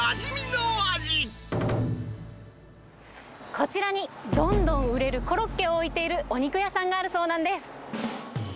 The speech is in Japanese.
こちらに、どんどん売れるコロッケを置いているお肉屋さんがあるそうなんです。